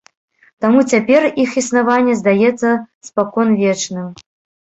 Таму цяпер іх існаванне здаецца спаконвечным.